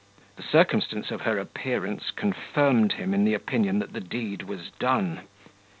The circumstance of her appearance confirmed him in the opinion that the deed was done.